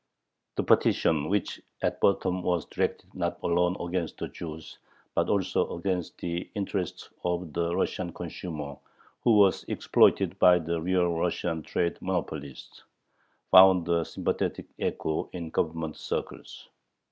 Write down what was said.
The petition, which at bottom was directed not alone against the Jews, but also against the interests of the Russian consumer, who was exploited by the "real Russian" trade monopolists, found a sympathetic echo in Government circles.